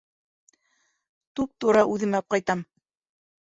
Туп- тура үҙемә апҡайтам.